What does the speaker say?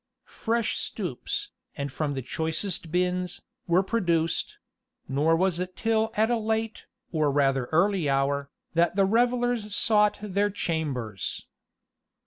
Fresh stoups, and from the choicest bins, were produced; nor was it till at a late, or rather early hour, that the revelers sought their chambers.